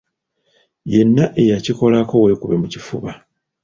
Yenna eyakikolako weekube mu kifuba.